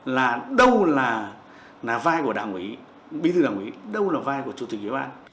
là đâu là vai của đảng ủy bí thư đảng ủy đâu là vai của chủ tịch ủy ban